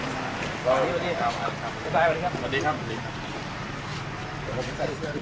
สวัสดีครับ